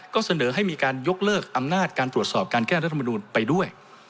ก็เสนอให้มีการยกเลิกอำนาจการตรวจสอบการแก้รัฐมนูลไปด้วย